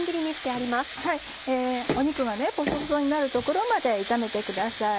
肉がぼそぼそになるところまで炒めてください。